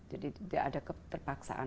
jadi tidak ada keterpaksaan